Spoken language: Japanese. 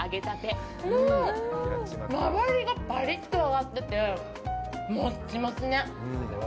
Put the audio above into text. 周りがぱりっと揚がってて、もちもちね。